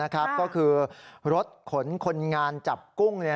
ก็คือรถขนคนงานจับกุ้ง